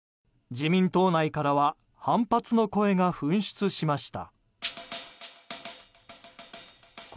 自民党内からは反発の声が噴出しました。